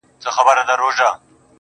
• بیا خرڅ کړئ شاه شجاع یم پر پردیو_